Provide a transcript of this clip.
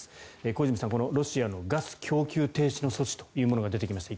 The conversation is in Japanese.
小泉さん、ロシアのガス供給停止の措置が出てきました。